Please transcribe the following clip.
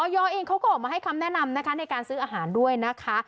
เองเขาก็ออกมาให้คำแนะนำนะคะในการซื้ออาหารด้วยนะคะ